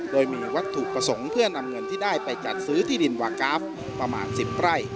โดยมีวัตถุประสงค์เพื่อนำเงินที่ได้ไปจัดซื้อที่ดินวากราฟประมาณ๑๐ไร่